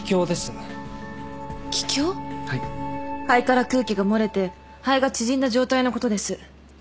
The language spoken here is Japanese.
肺から空気が漏れて肺が縮んだ状態のことです。